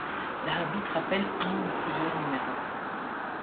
L'arbitre appelle un ou plusieurs numéros.